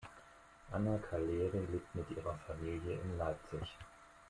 Anna Kaleri lebt mit ihrer Familie in Leipzig.